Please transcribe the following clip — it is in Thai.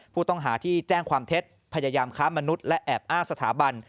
ผู้ต้องหาที่แจ้งความเท็จพยายามค้ามนุษย์และแอบอ้างสถาบัน